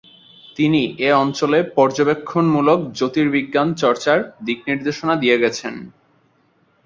তিনি এ অঞ্চলে পর্যবেক্ষণমূলক জ্যোতির্বিজ্ঞান চর্চার দিক নির্দেশনা দিয়ে গেছেন।